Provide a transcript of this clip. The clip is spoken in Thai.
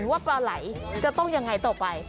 ว่าปลาไหลจะต้องยังไงต่อไป